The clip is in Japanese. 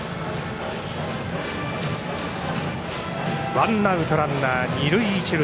ワンアウトランナー、二塁一塁。